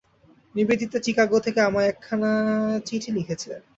Nivedita Chicago থেকে আমায় একখানি চিঠি লিখেছে।